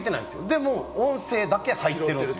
でも音声だけ入ってるんです。